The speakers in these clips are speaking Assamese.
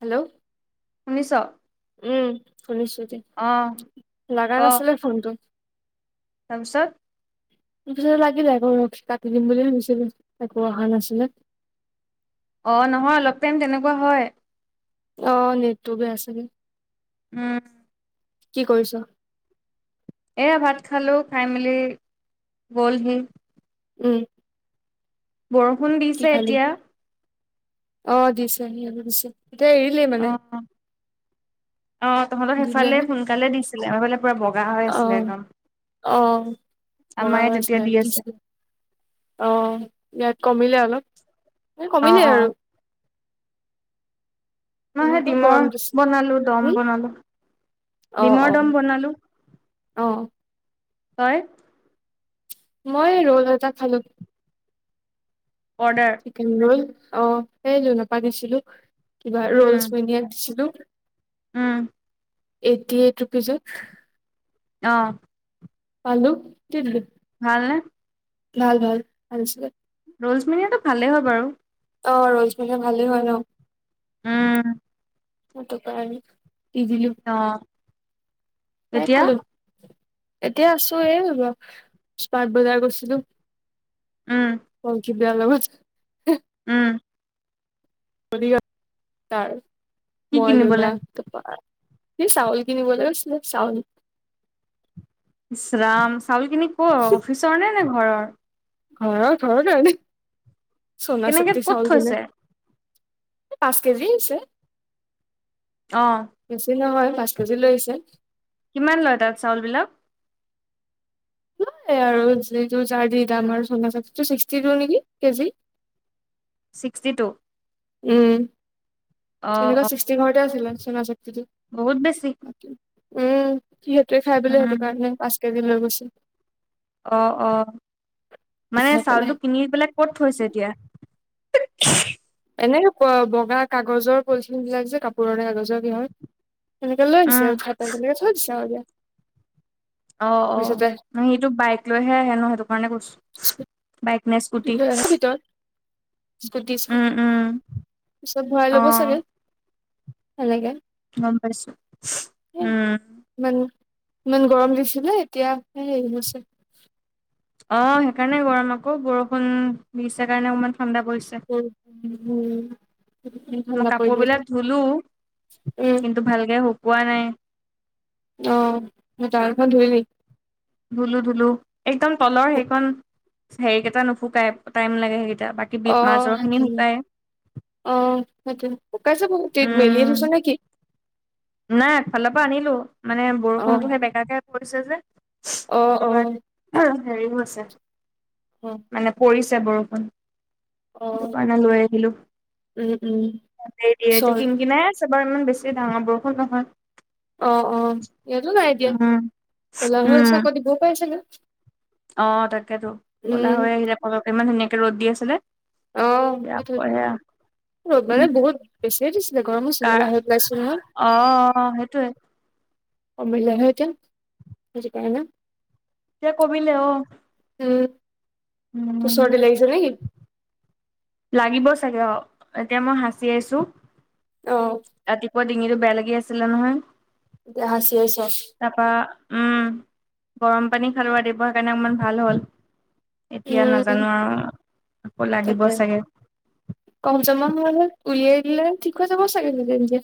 হেল্ল'। শুনিছ? উম, শুনিছোঁ এতিয়া, অঁ লগা ক নাছিলে ফোনটো। তাৰপিছত? তাৰপিছত লাগিলে আকৌ, ৰখি কাটি দিম বুলি ভাবিছিলোঁ, একো অহা নাছিলে। অ', নহয়, অলপ টাইম তেনেকুৱা হয়। অ', নেটটো বেয়া চাগে। উম। কি কৰিছ? এইয়া ভাত খালোঁ, খাই মেলি গ'ল সি। উম। বৰষুণ কি দিছে খালি এতিয়া। অ দিছে দিছে এতিয়া এই অ অ তহঁত সেইফালে দিলেহে সোনকালে দিছিলে আমাৰফালে পূৰা বগা হৈ অ আছিলে একদম অ বগা আমায়ে হৈ তেতিয়া আছিলে দি আছে দিছিলে অ ইয়াত কমিলে অলপ অ কমিলে অ আৰু মই সেই কেনেকুৱা গৰম ডিমৰ দিছে বনালো দম উম বনালো অ অ নালো অ তই মই ৰৌল এটা খালো অৰ্ডাৰ চিকেন ৰৌল অ এই লৌনপা দিছিলো কিবা উম ৰৌলচ মেনিয়াক দিছিলো উম এইটটি এইট ৰুপিজত অ পালো [unintelligible] ভাল নে ভাল ভাল, ‌ভাল আছিলে ৰোলচমিনিয়টো ভালেই হয় বাৰু অ ৰৌজ মেলিয়া ভালেই হয় ন উম সেইটো কাৰণে দি দিলোঁ অ তাই এতিয়া খালো এতিয়া আছো এই স্মাৰ্ট বজাৰ গৈছিলো উম পংখিপ্ৰিয়া লগত ওম বদিগাত তাৰ কি মই কিনিবলে লোনা তাপা এই চাউল কিনিবলৈ গৈছিলে চাউল ইচ্ ৰাম চাউলখিনি কৰ অফিচৰ নে নে ঘৰৰ ঘৰ ঘৰৰ [unintelligible] সোনা কেনেকে শক্ততি ক'ত চাউল কোনো থৈছে পাঁচ কেজি আছে অ বেছি নহয় পাঁচ কেজি লৈ আহিছে কিমান লয় তাত চাউল বিলাক লয় আৰু যিটো জাৰ দি দাম আৰু চনা শক্তিটো ছিক্সটিটু নেকি কেজি ছিক্সটি টু উম অ তেনেকুৱা অ ছিক্সটি ঘৰতে আছিলে চনা শক্তিটো বহুত বেছি উম সি সেইটোৱে খাই বোলে উম সেইটো কাৰণে পাঁচ কেজি লৈ গৈছে অ অ মানে খাই পেলাই চাউলটো কিনি পেলাই ক'ত থৈছে এতিয়া এনে বগা কাগজৰ পলিথিন বিলাক যে কাপোৰৰে কাগজৰ কি হয় তেনেৰে লৈ উম আহিছে উঠাই পেলাই তেনেকে থৈ দিছে আৰু দিয়া অ অ সেইটো বাইক লৈহে আহে ন সেইটো কাৰণে কৈছো স্কুটি বাইক নে স্কুটি লৈ আহে ভিতৰত স্কুটি উম স্কুটি। উম পিছত ভৰাই অ ল'ব চাগে, সেনেকে গম পাইছোঁ। এ উম। ইমান ইমান গৰম দিছিলে এতিয়া সে হেৰি হৈছে। অ', সেইকাৰণে গৰম আকৌ বৰষুণ দিছে কাৰণে অকমান ঠাণ্ডা পৰিছে। [unintelligible] মই ঠাণ্ডা কাপোৰ পৰিলে এতিয়া বিলাক ধুলো উম কিন্তু ভালকে শুকোৱা নাই। অ', গীটাৰখন ধুইবি ধুলো ধুলো। একদম তলৰ সেইকন হেৰিকেইটা নুশুকাই টাইম লাগে সেইকেইটা বাক অ', [unintelligible] অ', সেটোয়ে শুকাইছে বহু [unintelligible] মেলিয়ে থৈছ উম নে কি? নাই আগফালৰ পা আনিলোঁ মানে অ বৰষুণটো সে বেকাকে পৰিছে যে অ সেইটো অ কাৰণে [unintelligible] হেৰি হৈছে অ মানে পৰিছে বৰষুণ। অ সেইটো কাৰণে লৈ আহিলোঁ। উম উম দে দে এইটো চৰ কিনকিনাই আছ সেবাৰ ইমান বেছি ডাঙৰ বৰষুণ নহয়। অ', অ', ইয়াতো নাই এতিয়া। উম ক'লা হৈ আছে আকৌ উম দিবও পাৰে চাগে।। অ', তাকেতো ক'লা উম হৈ আহিলে পতকে ইমান ধুনীয়াকে ৰ'দ দি আছিলে। অ সেইটোৱেটো [unintelligible] ৰ'দ মানে বহুত বেছিয়ে দিছিলে গৰম হৈছিলে কাৰ বাহিৰত ওলাইছো নহয়। অ', অ', সেইটোয়ে অ', মিলিলে নহয় এতিয়া, [unintelligible] এতিয়া কমিলে অ'। উম। তোৰ উম চৰ্দি লাগিছে নে কি? লাগিব চাগে অ'। এতিয়া মই হাঁচিয়াইছো। অ'। ৰাতিপুৱা ডিঙিটো বেয়া লাগি আছিলে নহয়। এতিয়া হাঁচিয়াই চ'। তাপা উম। গৰম পানী খালোঁ ৰাতিপুৱা সেইকাৰণে অকমান ভাল হ'ল। এতিয়া উম নাজানো আৰু আকৌ লাগিব চা কফ জমা [unintelligible] উলিয়াই দিলে ঠিক হৈ যাব চাগে নিজে নিজে।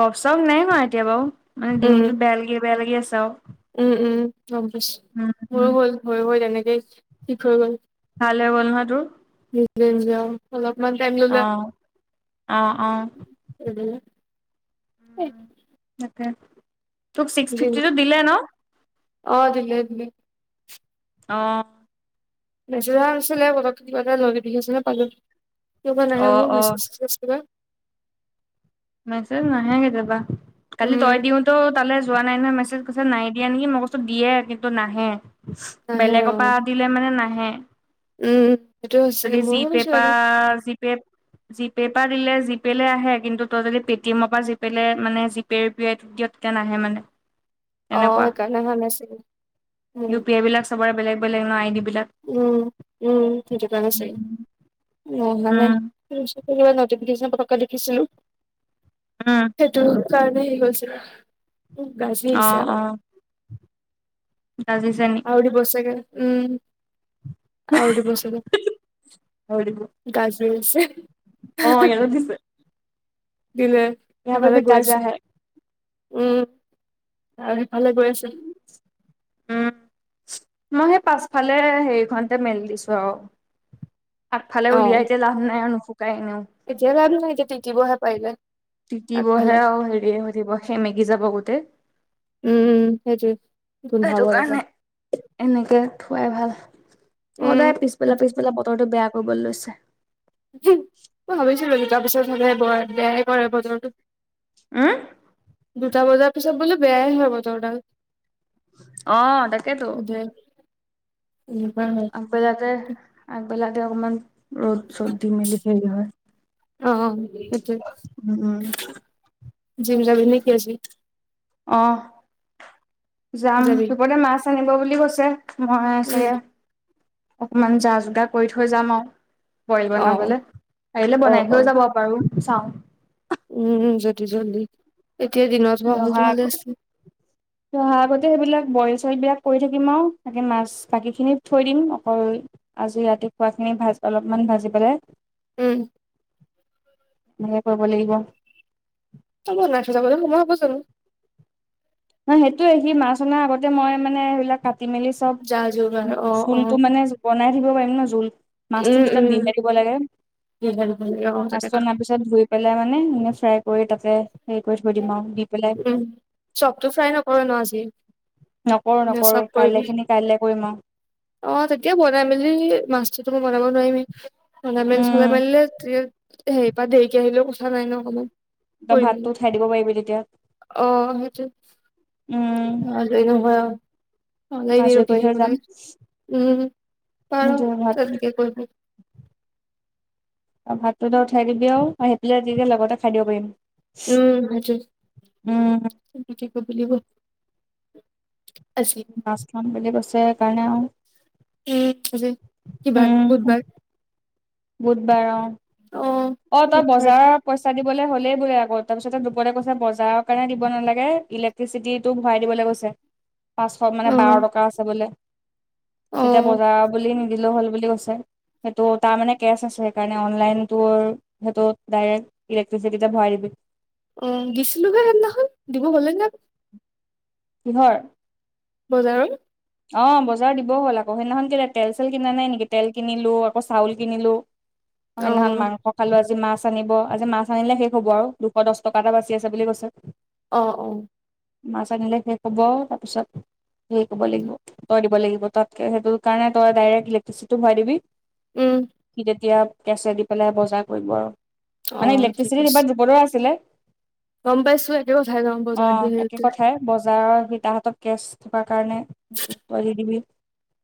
কফ চফ নাই হোৱা এতিয়া বাৰু মানে উম ডিঙিটো বেয়া লাগি বেয়া লাগি আছে আৰু। উম উম অ', গম পাইছোঁ। মোৰো উম হৈ হৈ হৈ তেনেকেই ঠিক হৈ গ'ল। ভাল হৈ গ'ল নহয় তোৰ? [unintelligible] যাওঁ অলপমান টাইম ললে অ আও অ অ [unintelligible] তাকে। তোক ছিক্স জি ফিফটিটো দিলে ন? অ', দিলে দিলে। অ'। মেছেজ অহা নাছিলে পতককে কিবা এটা নটিফিকেচন হে পালোঁ। কিয় বা নাহে অ মোৰ অ মেছেজ চেছেজ বিলাক। মেছেজ নাহে কেতিয়াবা। কালি উম তই দিওঁতেও তালে যোৱা নাই নহয় মেছেজ কৈছে নাই য়া নেকি মই কৈছোঁ দিয়ে কিন্তু নাহে। নাহে অ বেলেগৰ পা দিলে মানে নাহে। উম সেইটো যদি সঁচাকে জি ময়ো পে ভাবিছো পা চাগে জি পে জি পে পা দিলে জিপেলে আহে কিন্তু তই যদি পেটিএমৰ পা জিপেলে মানে জি পে ইউ পি আইটোত দিয় তেতিয়া নাহে মানে। অ', তেনেকুৱা সেইকাৰণে অহা নাই চাগে, উম। ইউ পি আই বিলাক চবৰে বেলেগ বেলেগ ন আইডিবিলাক। উম উম, সেইটো কাৰণে উম চাগে। অহা নাই, কি বস্তু? কিবা, নতিফিকেচন পতককে দেখিছিলো। উম! সেইটো কাৰণে হেৰি হৈছিলে! উ গাজী অ আহিছে অ আকৌ। গাজিছে নি? আৰু দিব চাগে। উম! আৰু দিব চাগে! গাজি আছে। অ, ইয়াতো দিছে। দিলে য়াহা পে সেইফালে ভি গৈ গাজা আছে হে। উম! আৰু সিফালে গৈ আছে উম! মই সেই পাছফালে হেৰিখনতে মেলি দিছো আৰু। আগফালে অ উলিয়াই এতিয়া লাভ নাই, নুশুকাই এনেও। এতিয়া লাভ নাই! এতিয়া তিতিবহে পাৰিলে। তিতিবহে আগফালে আৰু হেৰিয়ে হৈ থাকিব সেমেকি যাব গোটেই। উম সেইটোৱে গোন্ধাব সেইটো তাৰপা কাৰণে এনেকে থোৱাই ভাল। উম সদাই পিছবেলা, পিছবেলা বতৰটো বেয়া কৰিবলৈ লৈছে। মই ভাবিছিলো দুটাৰ পিছত হলে বৰ বেয়াই কৰে বতৰটো। উম! দুটা বজাৰ পিছত বোলে বেয়াই হয় বতৰডাল। অ তাকেতো [unintelligible] আগবেলাতে, আগবেলাতে অকমান ৰ'দ- চ'দ দি মেলি হেৰি হয়। অ সেইটোয়ে উম উম জিম যাবি নেকি আজি? অ যাম, যাবি দুপৰতে মাছ আনিব বুলি কৈছে। মই উম চাগে অকমান যা যোগাৰ কৰি থৈ যাম আৰু। বইল অ বনাবলে! পাৰিলে অ বনাই অ কৈও যাব পাৰো চাওঁ। উম! যদি জল্দি এতিয়া দিনত সি হোৱা হ'লেটো অহা ভালে আছিল। সি, অহাৰ আগতে সেইবিলাক বইল চইল বিলাক কৰি থাকিম আও! তাকে মাছ বাকীখিনি থৈ দিম! অকল আজি ৰাতি খোৱাখিনি ভাজ অলপমান ভাজি পেলাই। উম! এনেকে কৰিব লাগিব। এ বনাই থৈ যাবলে সময় হব চুন। ন সেইটোয়ে সি মাছ অনা আগতে মই মানে সেইবিলাক কাটি, মেলি চব যা যোগাৰ অ অ জোলটো মানে বনাই দিব পাৰিম ন! জোল মাছটো পিছত দিহে দিব লাগে। দিহে দিব লাগে অ তাত। মাছটো অনাৰ পিছত ধুই পেলাই মানে এনেই ফ্ৰাই কৰি তাতে হেৰি কৰি থৈ দিম আৰু দি পেলাই চবটো ফ্ৰাই নকৰ ন আজি? নকৰো, নে নকৰো চব কৰিবি? কাইলে খিনি কাইলে কৰিম আৰু। অ, তেতিয়া বনাই মেলি মাছটোতো বনাব নোৱাৰিবি উম [unintelligible] হেৰি পৰা দেৰিকে আহিলেও কথা নাই ন অকমান। তই কৰি ভাতটো মেলি উঠাই দিব পাৰিবি তেতিয়া। উম! [unintelligible] ওলাই কেনে আজৰি ৰখি কৰি থৈ থাকিব যাম লাগে, উম! পাৰ ভাত তেনেকে কৰিব। ভাতটো তই উঠাই দিবি আও! আহি পেলে দুই জনি লগতে খাই দিব পাৰিম। উম সিটোয়ে উম তেনেকে কৰিব লাগিব আজি মাছ খাম বুলি কৈছে সে কাৰণে আও উম আজি কি বাৰ উম বুধবাৰ বুধবাৰ অ অ অ তই বুধবাৰ বজাৰত পইচা দিবলৈ হলেই বোলে আকৌ তাৰপিছতে দুপতে কৈছে বজাৰৰ কাৰণে দিব নালাগে ইলেক ক্টিচিটি ভৰাই দিবলৈ কৈছে [inaudible] পাঁচশ মানে অ বাৰ টকা আছে বোলে অ তেতিয়া বজাৰৰ বুলি নিদিলেও হ'ল বুলি কৈছে সেইটো তাৰ মানে কেচ আছে সেইকাৰণে অনলাইন তোৰ সেইটো ডাইৰেক্ট ইলেক্ট্ৰিচিটিতে ভৰাই দিবি অ দিছিলোহে সেইদিনাখন দিব হ'লে নে কিহৰ বজাৰৰ অ বজাৰ দিব হ'ল আকৌ সেইদিনাখন কেলে তেল চেল কিনা নাই নিকি তেল কিনিলো আকৌ চাউল কিনিলো [inaudible] অ সেইদিনাখন মাংস খালো আজি মাছ আনিব আজি মাছ আনিলে শেষ হ'ব আউ দুশ দছ টকা এটা বাছি আছে বুলি কৈছে অঁ অঁ মাছ আনিলে শেষ হ'ব আউ তাৰপিছত হেই কৰিব লাগিব তই দিব লাগিব তাতকে সেইটো কাৰণে তই ডাইৰেক্ট ইলেক্ট্ৰিচিটো ভৰাই দিবি উম তেতিয়া কেচে দি পেলাই বজাৰ কৰিব আৰু মানে অ', ঠিক ইলেক্ট্ৰিচিটিটো আছে। এইবাৰ দুপদৰ আছিলে গম পাইছো একেবাৰে উঠাই লম অ বজাৰত দি একে আহোতে কথাই বজাৰৰ হি তা হাতত কেচ থকাৰ কাৰণে কৰি দিবি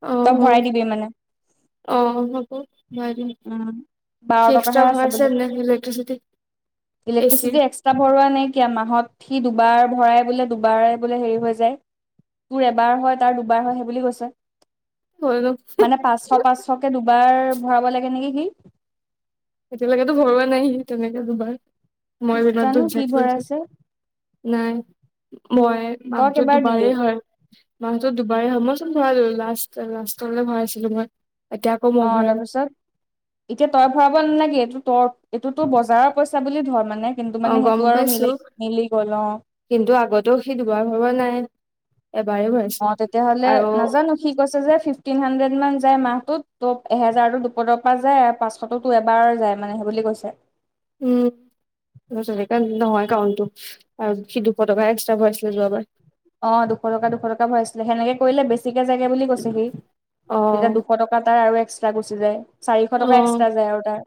অ', ত ভৰাই অ', দিবি মানে অ হ'ব ভৰাই দিম উম বাৰ এক্সট্ৰা টকাহে আছে ভৰাইছা নে ইলেকট্ৰিচিটি ইলেক্ট্ৰচিটি একচ একস্টা ভৰোৱা নাইকিয়া মাহত সি দুবাৰ ভৰাই বোলে দুবাৰ বোলে হেৰি হৈ যায় তোৰ এবাৰ হয় তাৰ দুবাৰ হয় সেইবুলি কৈছে হয় ন মানে পাঁচশ পাঁচশকে দুবাৰ ভৰাব লাগে নেকি সি এতিয়ালৈকেতো ভৰোৱা নাই সি তেনেকে দুবাৰ মই বেলেঞ্চটো জানো কি চেক কৰিছো ভৰাইছে নাই মই তই মাহটোত কেইবাৰ দিলি দুবাৰেই হয় মাহতো দুবাৰে হয় মই চোন ভৰাই ললো লাষ্ট লাষ্টলৈকে ভৰাইছিলো মই এতিয়া আকৌ মই অ ভৰাম তাৰপিছত এতিয়া তই ভৰাব নেলাগে এইটো তই এইটোতো বজাৰৰ পইচা বুলি ধৰ মানে কিন্তু অ', মানে গম সেইটো আৰু পাইছো মিলি মিলি গ'ল অ কিন্তু আগতেও সি দুবাৰ ভৰোৱা নাই এবাৰে অ ভৰাইছে তেতিয়াহ'লে আৰু নাজানো সি কৈছে যে ফিফটিন হাড্ৰেড মান যায় মাহটোত ত' এহেজাৰতো দুপৰ পৰা যায় আৰু পচ শটতো এবাৰ যায় মানে সেই বুলি কৈছে উম ণে নহয় একাউণ্টটো আৰু সি দুশ টকা এক্সট্ৰা ভৰাইছে যোৱাবাৰ অ', দুশ টকা দুশ টকা ভৰাইছিলে সেনেকে কৰিলে বেছিকে জাগে বুলি কৈছে সি। তেতিয়া অ', দু দুশ টকা তাৰ আৰু এক্সট্ৰা গুচি যায়, চাৰিশ টকা অ', এক্সট্ৰা যায় আৰু তাৰ।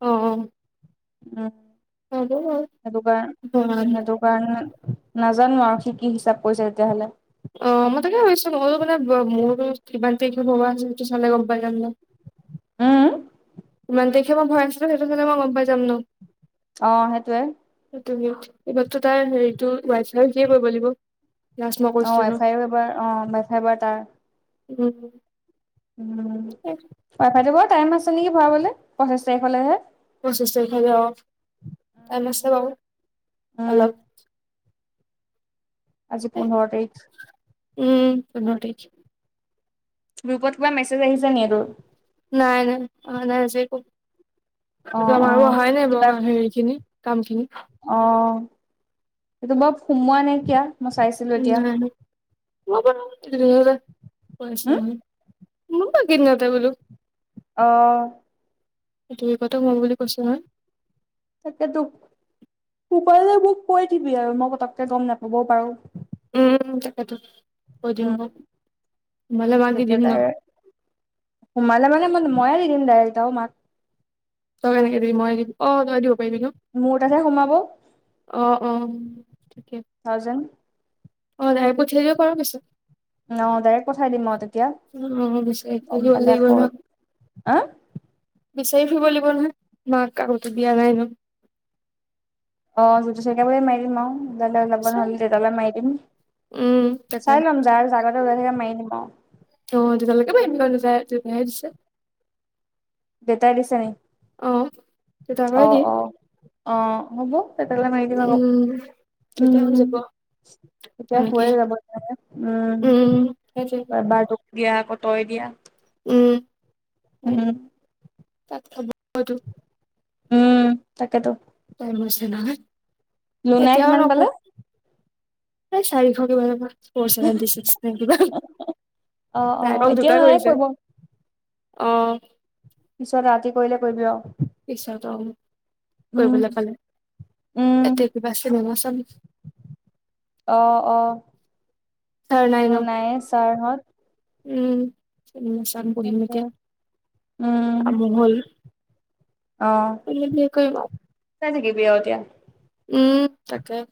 অ', উম। হ'ব বাৰু। সেইটো কাৰ সেইটো কাৰণে নাজানোঁ আৰু সি কি হিচাপ কৰিছে তেতিয়াহ'লে। অ', মই তাকে ভাবিছোঁ মইয়ো মানে মোৰো কিমান তাৰিখে ভবা আছে সেইটো চালে গম পাই যাম ন। উম উম ইমান তাৰিখে মই ভৰাই থৈছিলো সেইটো হ'লে মই গম পাই যাম ন? অ', সেইটোয়ে। সেই [unintelligible] এইবাৰতো তাৰ হেৰিটো ৱাইফ আৰু সিয়ে কৰিব লাগিব। লাষ্ট মই অ', কৈছিলো ন। ৱাইফাইৰো এবাৰ অ', ৱাইফাইবাৰ তাৰ। [unintelligible] উম। [inaudible] ৱাইফাটো বাৰু টাইম আছে নেকি ভৰাবলৈ পঁচিছ তাৰিখলৈহে। পছিশ তাৰিখে গে অ'। টাইম আছে বাৰু, উম অলপ আজি পোন্ধৰ তাৰিখ। উম, পোন্ধৰ তাৰিখ। গ্ৰুপত কিবা মেছেজ আহিছে নি এইটোৰ? নাই নাই, অহা নাই আজি একো। অ ত', অ আমাৰো অহাই নাই কিবা বাৰু হেৰি খিনি কাম খিনি। অ', এইেইটো বৰ সোমোৱা না কিয়া মই চাইছ উম নাই উম [unintelligible] সোমাব এইকেইদিনতে বলো। অ'। [unintelligible] সোমাব বুলি কৈছোঁ নহয়। তাকেতো, উপায় নাই মোক কৈ দিবি আৰু মই পতককে গম নাপাবও পাৰো। উম, তাকেতো কৈ দিম উম ৰ। তোমালে মাগি তেতিয়া দিম তাই ন? সোমালে মানে ময়ে দি দিম ডাইৰেক্ট আৰু মা তই কেনেকে দিবি মই দিম অ', তইয়্ দিব পাৰিবি ন? মোৰ তাতহে সোমাব। অ', অ', ঠিকে। থাউজেন্ড। অ', তাই পঠিয়াই দিব পাৰ পিছত। অ', ডাইৰেক্ট পঠাই দিম আও তেতিয়া। অ বিচাৰি গম ফুৰিব পালে লাগিব আকৌ নহয় আ? বিচাৰি ফুৰিব লাগিব নহয়, [unintelligible] বিয়া নাই হেনো। অ', [unintelligible] মাৰি দিম আৰু। দাদাৰ কাবা চাও। নহ'লে দেতেলে মাৰি দিম। উম তাকে চাই ল'ম যাৰ জাগতে ওলাই থাকে মাৰি দিম আও। অ', [unintelligible] দেউতাই দিছে নি? অ দেউতাৰ পৰাই অ', দিয়ে অ', অ', হ'ব। দেতালে মাৰি দিম আকৌ, উম দেউতাই হৈ উম। যাব তেতিয়া তেনেকে হৈয়ে যাব জানানে উম। তাপা বাৰটো দিয়া আকৌ তই দিয়া উম উম [unintelligible] উম। তাকেতো [inaudible] তাই বুজিছে নহয় [unintelligible] লুনাই এতিয়াও কিমান নক [unintelligible] পালে? পায় চাৰিশ কিমানৰ পৰা [unintelligible] [unintelligible] কিবা [unintelligible] অ', তাই অ', অকল এতিয়া দুটা নালাগে কৰিছে? কৰিব অঁ [unintelligible] পিছত ৰাতি কৰিলে কৰিবি আৰু। [inaudible] পিছত অ, উম, কৰিবলৈ পালে, উম। এতিয়া কিবা চিনেমা চাম। [inaudible] অ-অ [inaudible] তাৰ নাই ন? ছাৰহঁত উম চিনেমা চাম, বহিম এতিয়া। [unintelligible] আম হল [unintelligible] অঁ কৰিম আৰু [inaudible] চাই থাকিবি আৰু এতিয়া [unintelligible] উম তাকে [unintelligible]